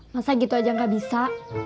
masa gitu aja gak bisa